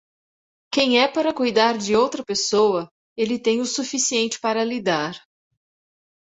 Quem é para cuidar de outra pessoa, ele tem o suficiente para lidar.